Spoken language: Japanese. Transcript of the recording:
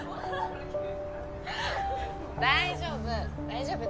大丈夫。